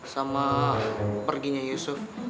sama perginya yusuf